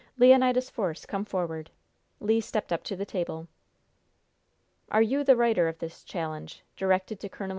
Leonidas Force, come forward." Le stepped up to the table. "Are you the writer of this challenge, directed to Col.